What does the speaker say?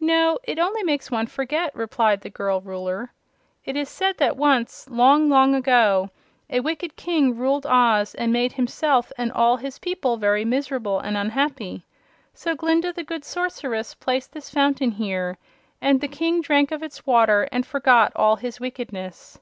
"No; it only makes one forget," replied the girl Ruler. "It is said that once long, long ago a wicked King ruled Oz, and made himself and all his people very miserable and unhappy. So Glinda, the Good Sorceress, placed this fountain here, and the King drank of its water and forgot all his wickedness.